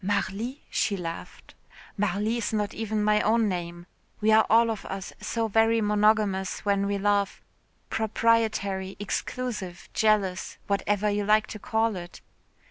"Marly?" she laughed. "Marly is not even my own name. We are all of us so very monogamous when we love, proprietary, exclusive, jealous, whatever you like to call it.